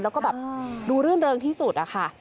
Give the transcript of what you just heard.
แล้วก็ดูเรื่องที่สุดค่ะ